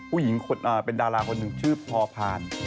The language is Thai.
ผู้หญิงเป็นดาราคนหนึ่งชื่อพอพาน